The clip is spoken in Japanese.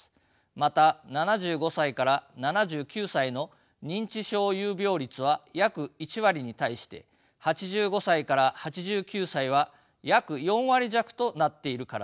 また７５歳７９歳の認知症有病率は約１割に対して８５歳８９歳は約４割弱となっているからです。